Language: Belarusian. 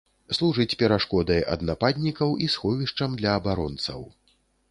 Служыць перашкодай ад нападнікаў і сховішчам для абаронцаў.